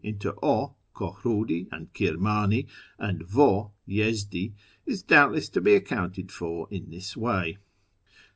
into 0 (Kohrudi and Kirmani) and v6 (Yezdi), is doubtless to be accounted for in this way.